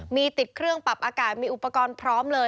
มีติดเครื่องปรับอากาศมีอุปกรณ์พร้อมเลย